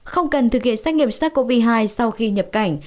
không cần thực hiện xét nghiệm sars cov hai sau khi nhập cảnh